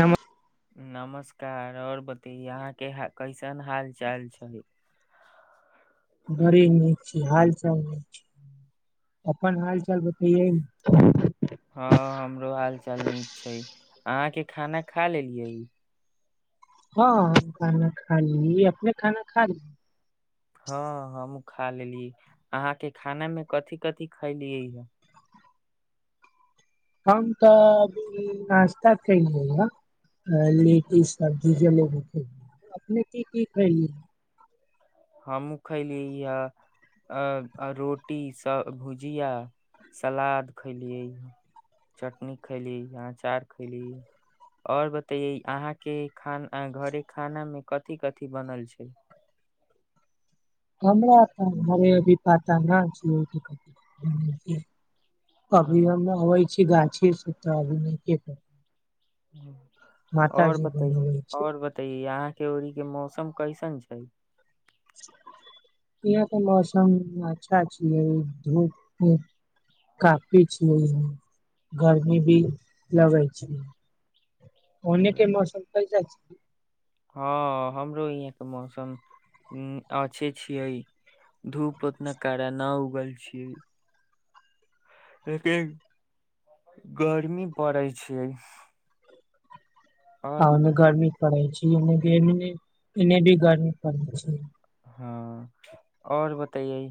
नम नमस्कार आऔर बतेए अहाँ के कैसन हाल चाल छै बड़ी नीक छै। हाल चाल नीक अपन हाल चाल बतैै हँ हमरो हाल चाल नीक छै अहाँके खाना खा लेलियै हँ खाना खा ली अपने खाना खा ली हँ हम हमू खा लेलिय अहाँके खाना मे कथिी कथिी खलियै ह हम तऽ नास्ता खलियै ह, लेटी सब्जी ज भी खल अपने के की खयलिय है हमहूँ खयलियै। ई रोटी सँ भुजिया, सलाद, चटनी खयलियै आओर अँचार खयली। आओर बताउ, अहाँक घरमे खाना मे की-की बनल छै? हम तरभी पता न छ अभिव अबै छै गाय छ सप्त अभ नहि एक ह आओर बताइ बनबै छी आओर बताइए यहाँ के्यौड़ीके मौसम कैसन छै। इाँ तऽ मौसम अच्छा छियै धूप कफी छिय गरमी भी लगे छै अनेके मौसम हो जा छै हँ हमरो यहाँके मौसम अच्छे छियै धूप उतना कड़ा न उगल ख छियै देखिन गर्मी पड़ै छै ह ने घरमी पढ़इ छै ने भी ग पड़ छै हँ आओर बतैै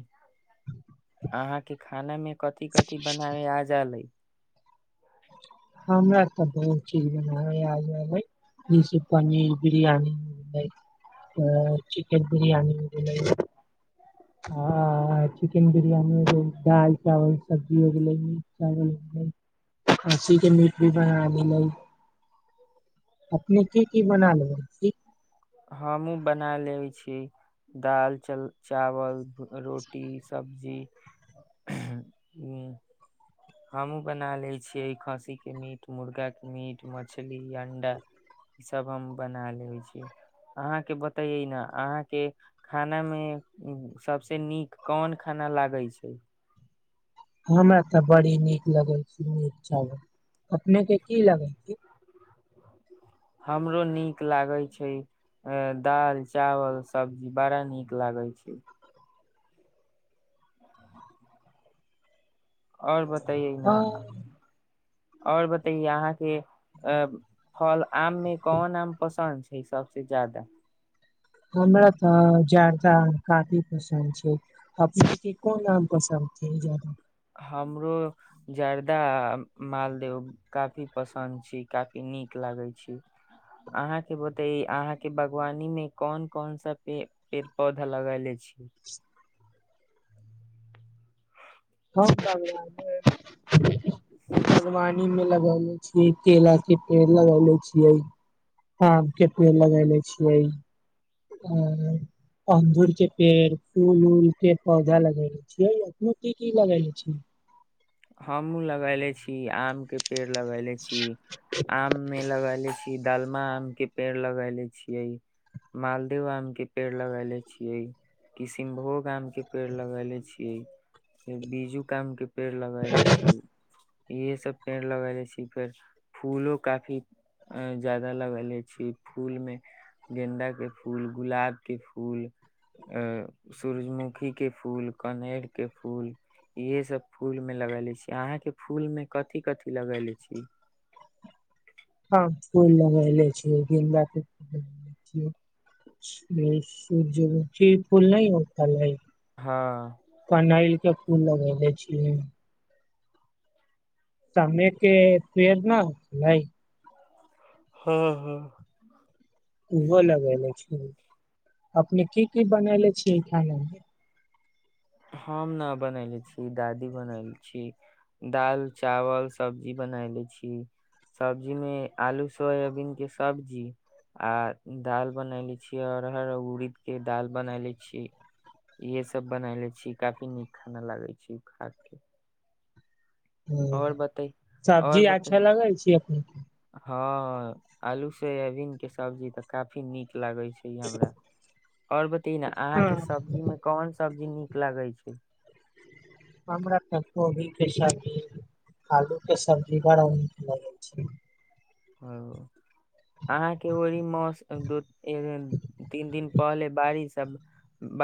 अहाँके खाना मे कथि कथि बनाबे आ जालै हमरा बहुत चीज बनाब आबि जस पनीर बिरियानी मिलै चिकेन बिरियानी मिलै आ चिकेन बिरयानी हो गेल दाल चावल सब्जी हो गेलै मीट चावल हो गेलै खाँसी के मीट भी बना लेलै अपने की की बना ले हमहुँ बना लेै छीिय दाल चावल रोटी सभ जी हमहु बना ले छियै खस्सी के मीट मुर्गा के मीट मछली मुर्गी के अण्डा ई सभ हम बना लेैत छी अहाँके बतैयै ने अहाँके खानामे सभसँ नीक कोन खाना लागै छै हमरा तऽ बड़ी नीक लगल छै नीक चावल अपनेके की लगै छै हमरो नीक लागैत छै दाल चावल सब्जी बड़ा नीक लागैत छै आओर बत तायै ना हँ आओर बतैए अहाँके अ फल आम मे कोन आम पसन्द छै सबसे ज्यादा हमरा तऽ जर्दा काफी पसन्द छै अपने के कोन आम पसन्द छै हमरो जर्दा मालदेव काफी पसन्द छी काफी नीक लागे छी अहा के बताेई अहा के बागवानी में कौन कौन सा पेड़ पौधा लगेले छियै [unintelligible] हम बागवानी बागवानी मे लगले छियै केला के पेड़ लगले छियै आम के पेड़ लगले छियै आ अंगूर के पेड़ फूल उल के पौधा लगेले छियै अपने की की लगले छियै हमहुँ लगैले छी आम के पेड़ लगेले छी आम मे लगले छी डालमा आम के पेड़ लगले छियै मालदेव आम के पेड़ लगेले छियै किशनभोग आम के पेड़ लगेले छियै बीजूक आम के पेड़ लगैले छी इहे सब पेड़ लगेले छी फेर फूलो काफी ज्यादा लगेले छी फूल में गेंदा के फूल गुलाब के फूल आ सूरजमुखी के फूल कनैर के फूल इहे सब फूल लगेले छी अहाँ के फूल मे कथी कथी लगले छी हँ फूल लगैले छी गेन्दा के फूल सूर्यमुखी फूल नहि हो हँ कनैलके फुल लगैले छियै समे के पेड़ न लइ हँ हँ ओहो लगेले छी अपने की की बनेले छियै खानामे हम न बनले छी दादी बनले छी दाल चावल सब्जी बनेले छी सब्जी मे आलू सोयाबीन के सब्जी आ दाल बनेले छी अरहर उरीद के दाल बनेले छी इहे सब बनेले छी छी काफी नीक खाना लागै छै खा के ह और बते और सब्जी बते अच्छा लगै छै अपने के हँ आलू सोयाबीन के सब्जी तऽ काफी नीक लागै छै हमरा आओर ने हाँ, अहाँके सब्जी में कोन सब्जी नीक लगे छै। हमरा तऽ कोबी के सब्जी आलू के सब्जी बड़ा नीक लगै छै अहाँके ओहि मे तीन दिन पहले बारिश आ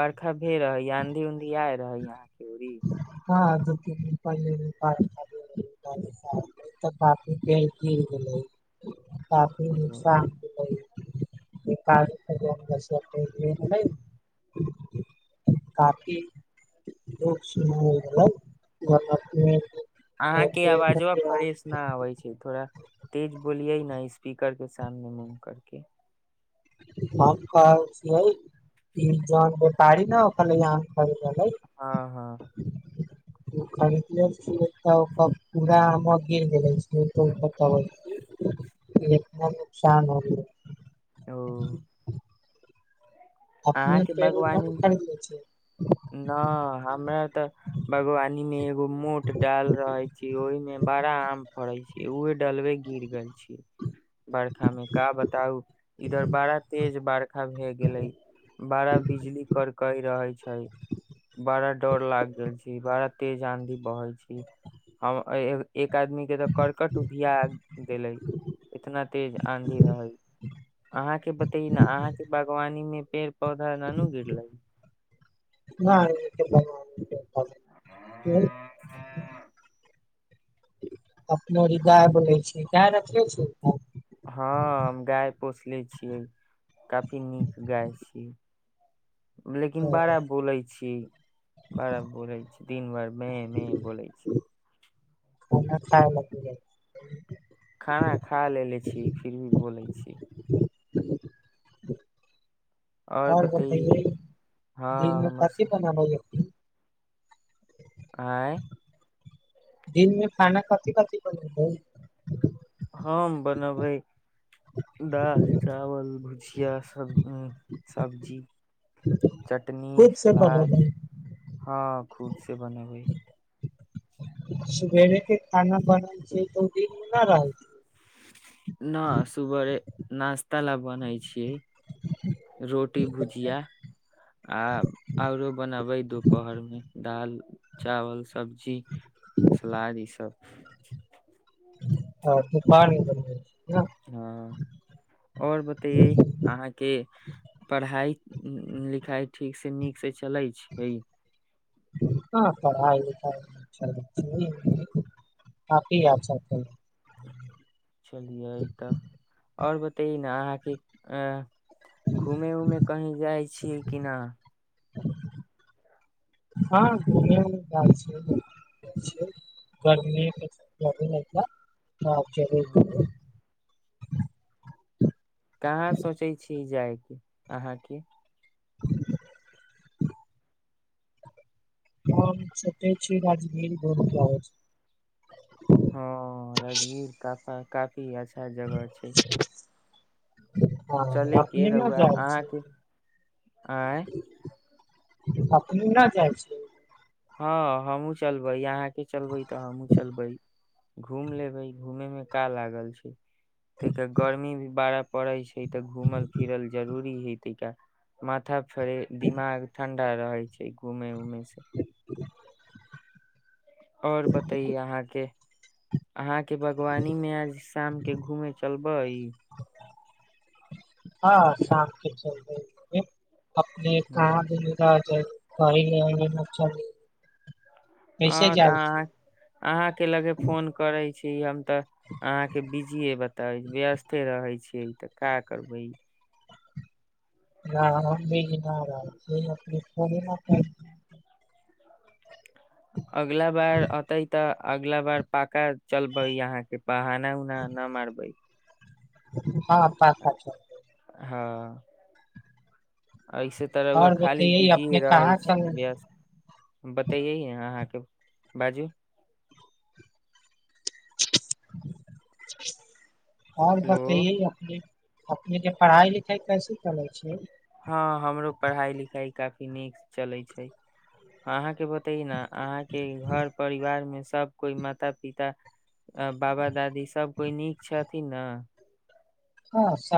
बरखा भेल रहै आंधी उंधी या रहै अहाँ के ओनी हँ दू तीन दिन पी गिर गेल काफी नुकसान होै ह काफी ह घ [unintelligible] अहाँके आवाजा फ्रेश नहि आबै छै। थोड़ा तेज बोकिये न स्पीकर के सामने मुँह करके हम जे खाइ छी, जे पिबै छी ओहि खाइ छी। हँ हँ खरीदलऽ पूरा आ गिर गेलना नुकसान होत ओ अपने अहाँक पेड़ उड़ न बागवानी न नहि, खरीदले छियै हमरा तऽ बागवानी मे एकटा मोट डालि छलै, ओहिमे पैघ-पैघ आम फलैत छलै। ओ डालि बरखा मे खसि गेल अछि। की कहू, एतय बर्खा बहुत तेज भ' रहल अछि। बड़ा बिजली करकई रहे छै। बड़ा डर लाग गेल छै। बड़ा तेज आँधी बहै छै। हम एक आदमीक तऽ करकट उड़ा देलक, एतेक तेज आँधी छलै। अहाँकेँ कहबो ने कएलहुँ, अहाँक बागवानी मे? पौधा ननू गर लै नहि अपनहि गाय बोलै छै कि ने छै? हँ हम गाय पोसले छियै। काफी नीक गाय छियै लेकिन बड़ा बोलै छी बड़ा बोलै छी दिन भरि मे बैसल छै। ओ ख खाना खा लेलेे छी फिर भी बोलै छी और आओर बतैय बतइए हँ दिनमे हमर सब कथी बनाबैय आँय दिनमे खाना कथी कथी कर हम बनबै दालि चावल भुजिया सब सब्जी चटनी खुद से पग सलाद भ हँ खुद से बने भइ सबेरे के खाना बनल छै तऽ ओ दिन नहि रहलत न सुबरे नश्ता ल बनाै छियै रोटी भुजिया आ औरो बनबै दुोपहर मे चावल दा सब्जी सलाद ईसभ आ त हँ आओर बतैे अहाँके पढ़ाइ लिखाइ ठीकसँ नीकसँ चलै छै हँ पढ़ाइ काफी य चलिए इ तऽ आओर बतइ न अहाँके अ घूमे उमे कहीँ जाइ छी कि नहि हँ घुमे उउमे जाय छी गर्मी - जाय छिय देखय लेल कहाँ सोचै छी जायके अहाँके हम सोचये छीय राजगीरी घुमकें आबै छिय का काफी अच्छा जगह छै चले हँ के अपने न रहुआ जाइ छी अहाँके आँ अपने न जाइ छी हँ हमहुँ चलबै अहाँ चलबै तऽ हमूँ चलबै घूम लेबै घूमे मे का लागल छै गर्मी मे बड़ा पड़ै छै तऽ घूमल फिरल जरूर घुमे के जा माथा थरे दिमाग ठण्ड रहे छै घूमे उमेै से [unintelligible] आओर बताइए अहाँके अहाँ के बागवानी में आज शाम के घूमे चलबै हँ शाम के चलबै घुमे अपने हँ काज दजोगार कह नहि च [inaudible] हँ तऽ अहाँ अहाँ के लगे फोन करैत छी हम तऽ अहाँके बिजीे बताब व्यस्ते रहै छीिय तऽ क करबै ज नहि रहल छै अपरी अगला बार अऔतै तऽ अगला बार पाका चलबै यहाँ के बहाना उना ना मारबै ह हँ पा हँ ऐसे तऽर‌उआ और खाली बतैयै बिजीे अपने रहै कहाँ छी चल व्यस्त बतैयै ने अहाँके बाजू [unintelligible] आओर हेलो बतैए अपने अपनेके पढ़ाइ लिखाइ कैसे चलै छियै हँ हमरो पढ़ाई लिखाई काफी नीक चलै छै अहाँके ब ते अहाँके घर परिवार मे सब कोइ माता पिता बाबा दादी सब कोइ नीक छथिन ने हँ स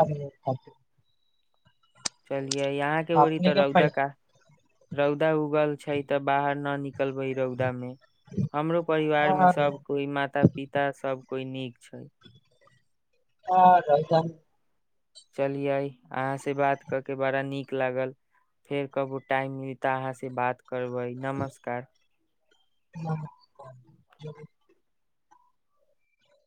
चल य यहाँ के होरी अपने तऽ के रौदा पढ़ का रौद उगल छै ते बाहर न निकल निकलबै रौदा मे हमरो परिवार में और सब कोई माता पिता सब कोइ नीक छै आ रह त चलियै अहाँ से बात क के बड़ा नीक लागल फेर कबो टाइम मिली तऽ अहाँ से बात करबै नमस्कार